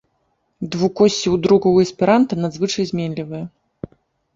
Двукоссі ў друку ў эсперанта надзвычай зменлівыя.